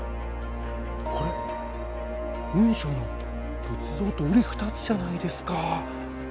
これ雲尚の仏像と瓜二つじゃないですか。